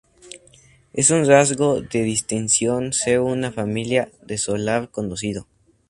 Es un rasgo de distinción ser de una familia "de solar conocido".